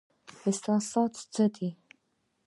احساسات څه دي؟